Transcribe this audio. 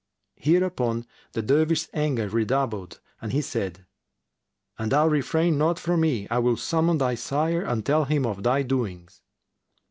Hereupon the Dervish's anger redoubled and he said, "An thou refrain not from me, I will summon thy sire and tell him of thy doings."